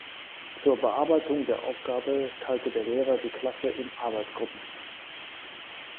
Zur Bearbeitung der Aufgabe teilte der Lehrer die Klasse in Arbeitsgruppen.